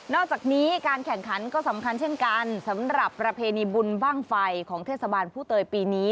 อกจากนี้การแข่งขันก็สำคัญเช่นกันสำหรับประเพณีบุญบ้างไฟของเทศบาลผู้เตยปีนี้